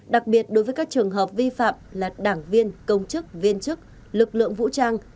đặc biệt đối với các trường hợp vi phạm là đảng viên công chức viên chức lực lượng vũ trang